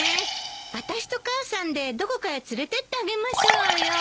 私と母さんでどこかへ連れてってあげましょうよ。